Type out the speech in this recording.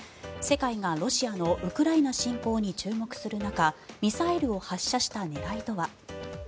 世界がロシアのウクライナ侵攻に注目する中ミサイルを発射した狙いとは。